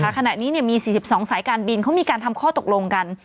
ขณะนี้มี๔๒สายการบินเขามีการทำข้อตกลงกัน